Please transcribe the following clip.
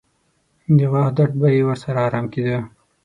د غاښ درد به یې ورسره ارام کېده.